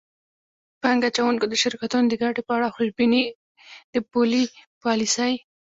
پانګه اچوونکو د شرکتونو د ګټې په اړه خوشبیني د پولي پالیسۍ